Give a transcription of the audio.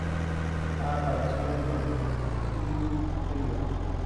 Ha aparecido en "Billy Elliot".